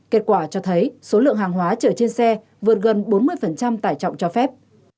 kết quả cho thấy số lượng hàng hóa chở trên xe vượt gần bốn mươi tải trọng cho phép